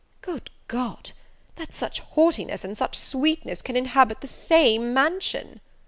"Good God! that such haughtiness and such sweetness can inhabit the same mansion!"